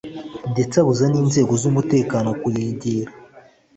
ndetse abuza n’inzego z’umutekano kuyegera